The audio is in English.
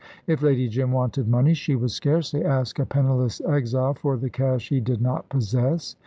If Lady Jim wanted money, she would scarcely ask a penniless exile for the cash he did not possess.